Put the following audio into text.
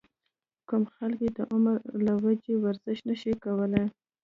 کوم خلک چې د عمر له وجې ورزش نشي کولے